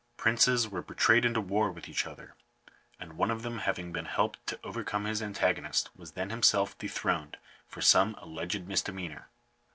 Princes were betrayed into war with each other ; and one of them having been helped to overcome his antagonist, was then himself dethroned for some alleged misdemeanor.